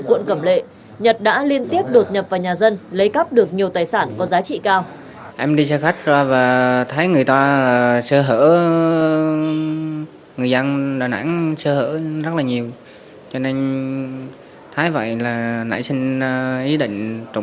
quận cẩm lệ nhật đã liên tiếp đột nhập vào nhà dân lấy cắp được nhiều tài sản có giá trị cao